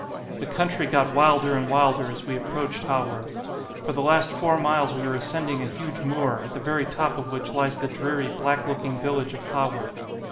The country got wilder and wilder as we approached Haworth; for the last four miles we were ascending a huge moor, at the very top of which lies the dreary black looking village of Haworth.